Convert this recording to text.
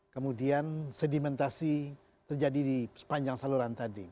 kemudian sedimentasi terjadi di sepanjang saluran tadi